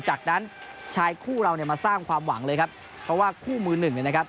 จากนั้นชายคู่เราเนี่ยมาสร้างความหวังเลยครับเพราะว่าคู่มือหนึ่งเนี่ยนะครับ